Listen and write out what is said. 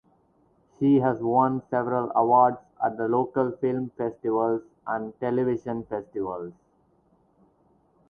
She has won several awards at the local film festivals and television festivals.